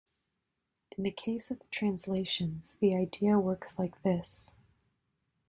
In the case of the translations the idea works like this.